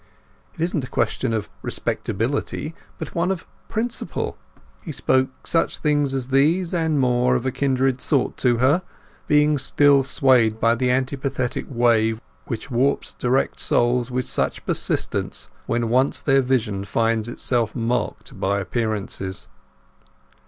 "It isn't a question of respectability, but one of principle!" He spoke such things as these and more of a kindred sort to her, being still swayed by the antipathetic wave which warps direct souls with such persistence when once their vision finds itself mocked by appearances.